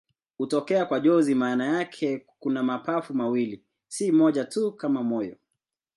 Hutokea kwa jozi maana yake kuna mapafu mawili, si moja tu kama moyo.